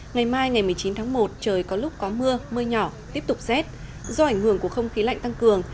ngày mai ngày một mươi chín tháng một trời có lúc có mưa mưa nhỏ tiếp tục rét do ảnh hưởng của không khí lạnh tăng cường